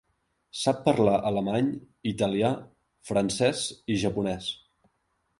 Sap parlar alemany, italià, francès i japonès.